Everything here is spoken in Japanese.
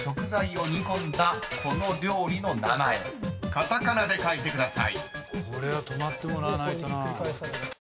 ［カタカナで書いてください］